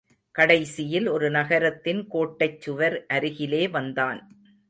கடைசியில் ஒரு நகரத்தின் கோட்டைச் சுவர் அருகிலே வந்தான்.